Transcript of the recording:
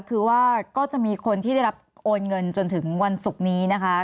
คือว่าก็จะมีคนที่ได้รับโอนเงินจนถึงวันศุกร์นี้นะคะ